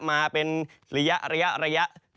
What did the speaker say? มาเป็นระยะระยะระยะ